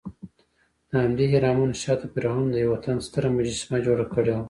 دهمدې اهرامونو شاته فرعون د یوه تن ستره مجسمه جوړه کړې وه.